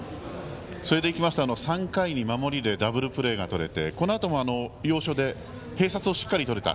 それでいくと３回に守りでダブルプレーがとれてこのあとも要所で併殺をしっかりとれた。